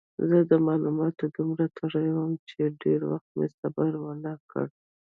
زه د معلوماتو دومره تږی وم چې ډېر وخت مې صبر ونه کړ.